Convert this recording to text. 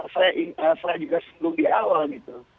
saya juga sebelum di awal gitu